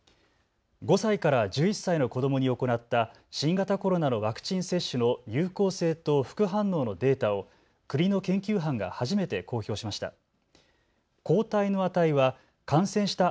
５歳から１１歳の子どもに行った新型コロナのワクチン接種の有効性と副反応のデータを国の研究班が初めて公表しました。